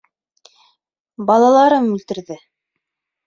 Балаларым үлтерҙе...